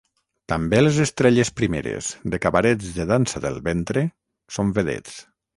També les estrelles primeres de cabarets de dansa del ventre són vedets.